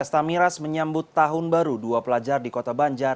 pesta miras menyambut tahun baru dua pelajar di kota banjar